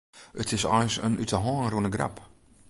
It is eins in út 'e hân rûne grap.